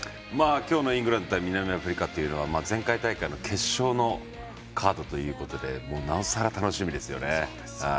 今日のイングランド対南アフリカというのは前回大会の決勝のカードということでなおさら楽しみですよね。